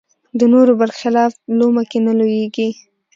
د نورو بر خلاف لومه کې نه لویېږي